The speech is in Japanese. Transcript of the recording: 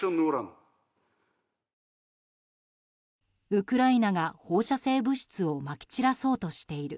ウクライナが放射性物質をまき散らそうとしている。